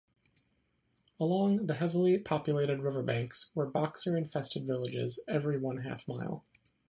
Along the heavily populated river banks were Boxer-infested villages every one-half mile.